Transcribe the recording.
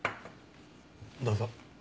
どうぞ。